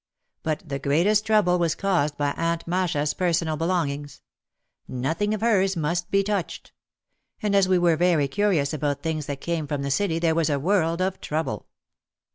But the greatest trouble was caused by Aunt Masha's personal belongings. Nothing of hers must be touched. And as we were very curious about things that came from the city there was a world of trouble.